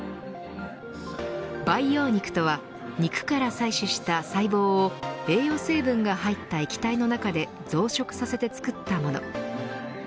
培養肉とは肉から採取した細胞を栄養成分が入った液体の中で増殖させて作ったもの。